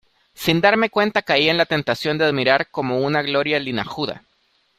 sin darme cuenta caí en la tentación de admirar como una gloria linajuda